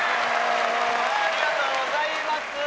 ありがとうございます。